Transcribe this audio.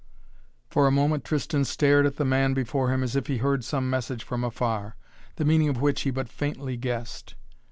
For a moment Tristan stared at the man before him as if he heard some message from afar, the meaning of which he but faintly guessed.